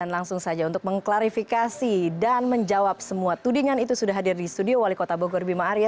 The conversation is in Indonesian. dan langsung saja untuk mengklarifikasi dan menjawab semua tudingan itu sudah hadir di studio wali kota bogor bima arya